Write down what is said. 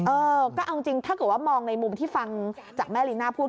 เออก็เอาจริงถ้าเกิดว่ามองในมุมที่ฟังจากแม่ลีน่าพูด